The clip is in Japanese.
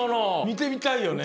みてみたい！